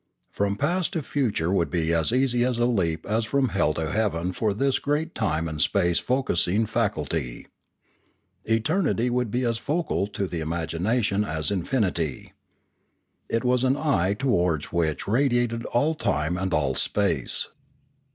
From past to future would be as easy a leap as from hell to heaven for this great time and space focussing faculty. Eternity would be as focal to imagination as infinity. It was an eye towards which radiated all time and all space.